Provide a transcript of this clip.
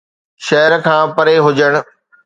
شهر کان پري هجڻ